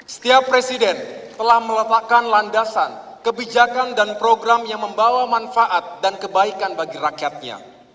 setiap presiden telah meletakkan landasan kebijakan dan program yang membawa manfaat dan kebaikan bagi rakyatnya